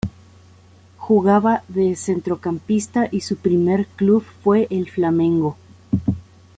Jugaba de centrocampista y su primer club fue el Flamengo.